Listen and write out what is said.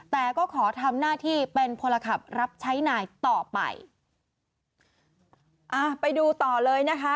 แต่ก็ขอทำหน้าที่เป็นพลขับรับใช้นายต่อไปอ่าไปดูต่อเลยนะคะ